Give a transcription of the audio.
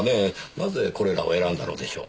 なぜこれらを選んだのでしょう？